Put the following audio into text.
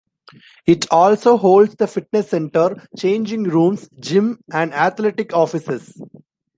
It also holds the fitness center, changing rooms, gym, and athletic offices.